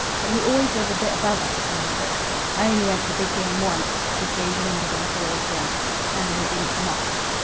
But he always was a bit above us common crooks. I only went for big game once," his gaze lingered on Foyle's ring, "and then it didn't come off."